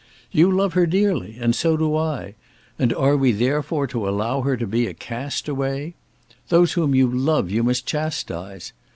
You love her dearly, and so do I; and are we therefore to allow her to be a castaway? Those whom you love you must chastise.